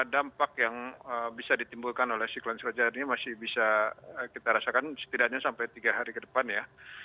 dampak yang bisa ditimbulkan oleh siklon srodjaya ini masih bisa kita rasakan setidaknya sampai tiga hari ke depan ya